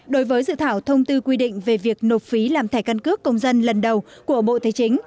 đối với dự thảo thông tư quy định về việc nộp phí làm thẻ căn cước công dân lần đầu của bộ thế chính